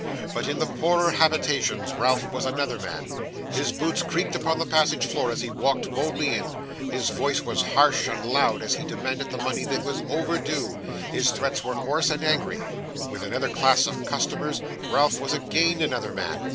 But in the poorer habitations Ralph was another man; his boots creaked upon the passage floor as he walked boldly in; his voice was harsh and loud as he demanded the money that was overdue; his threats were coarse and angry. With another class of customers, Ralph was again another man.